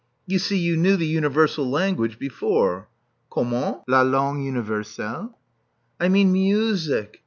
You see you knew the universal language before." Comment? La langue universelle?" I mean music.